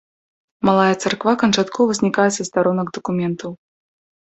Малая царква канчаткова знікае са старонак дакументаў.